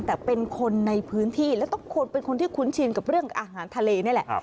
แต่เป็นคนในพื้นที่และต้องเป็นคนที่คุ้นชินกับเรื่องอาหารทะเลนี่แหละ